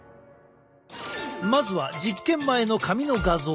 まずは実験前の髪の画像。